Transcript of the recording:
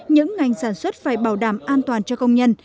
những ngành sản xuất phải bảo đảm an toàn cho công nhân